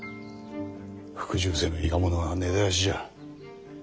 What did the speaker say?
服従せぬ伊賀者は根絶やしじゃ。